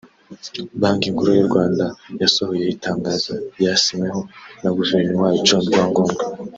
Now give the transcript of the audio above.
Banki Nkuru y’u Rwanda yasohoye itangazo ryasinyweho na Guverineri wayo John Rwangombwa